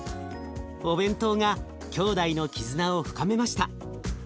お弁当がきょうだいの絆を深めました。